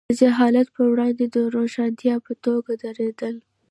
د جهالت پر وړاندې د روښانتیا په توګه درېدل.